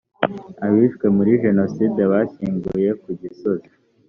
abishwe muri jenoside bashyinguye kugisozi.